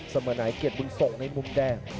สมนายเกียรติบุญสงฆ์ในมุมแดง